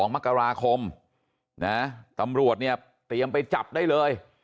๒มกราคมนะตำรวจเนี่ยเตรียมไปจับได้เลย